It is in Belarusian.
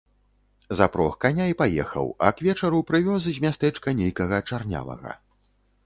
Запрог каня і паехаў, а к вечару прывёз з мястэчка нейкага чарнявага.